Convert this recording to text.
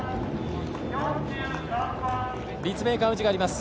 立命館宇治が入ります。